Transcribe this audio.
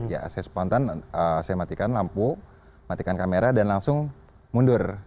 ya saya spontan saya matikan lampu matikan kamera dan langsung mundur